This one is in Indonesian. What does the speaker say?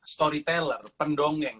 penceritakan cerita pendongeng